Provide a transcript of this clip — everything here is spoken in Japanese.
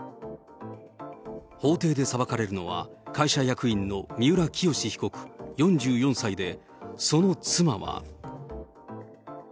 法廷で裁かれるのは、会社役員の三浦清志被告４４歳で、その妻は。